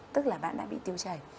tức là bạn đã bị tiêu chảy